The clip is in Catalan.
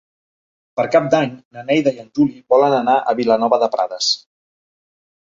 Per Cap d'Any na Neida i en Juli volen anar a Vilanova de Prades.